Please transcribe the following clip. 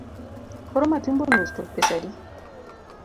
Koro matumbo nus to pesa adi?